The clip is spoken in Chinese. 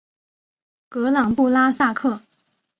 格朗布拉萨克。